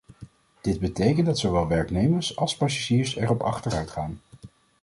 Dit betekent dat zowel werknemers als passagiers erop achteruit gaan.